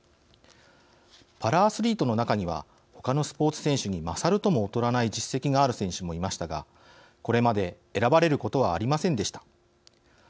パラアスリートの中には他のスポーツ選手に勝るとも劣らない実績がある選手もいましたがこれまで選ばれることはありませんでした。